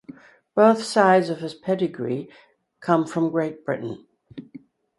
Both sides of his pedigree come from Great Britain.